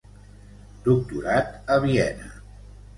Doctorat a Viena.